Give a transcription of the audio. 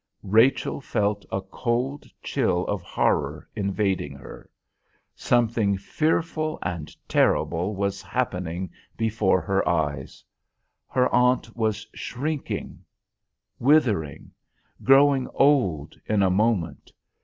Rachel felt a cold chill of horror invading her. Something fearful and terrible was happening before her eyes; her aunt was shrinking, withering, growing old in a moment.